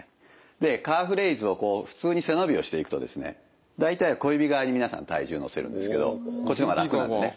でカーフレイズをこう普通に背伸びをしていくとですね大体は小指側に皆さん体重を乗せるんですけどこっちの方が楽なんでね。